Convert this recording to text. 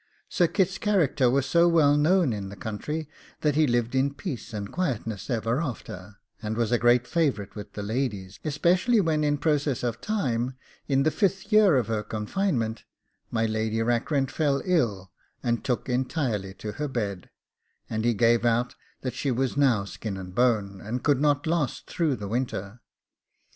Sir Kit's character was so well known in the country that he lived in peace and quietness ever after, and was a great favourite with the ladies, especially when in process of time, in the fifth year of her confinement, my Lady Rackrent fell ill and took entirely to her bed, and he gave out that she was now skin and bone, and could not last through the winter.